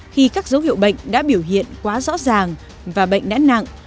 khi các dấu hiệu bệnh đã biểu hiện quá rõ ràng và bệnh đã nặng